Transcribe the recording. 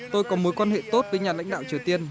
tôi có mối quan hệ tốt với nhà lãnh đạo triều tiên